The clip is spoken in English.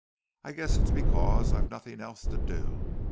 I guess it's because I've nothing else to do.